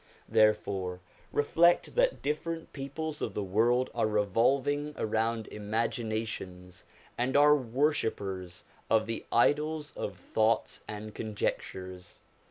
Therefore reflect that different peoples of the world are revolving around imaginations, and are worshippers of the idols of thoughts and conjectures.